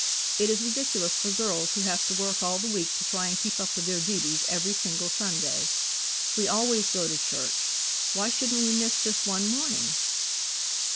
It is ridiculous for girls who have to work all the week to try and keep up with their duties every single Sunday. We always go to church, why shouldn't we miss just one morning?"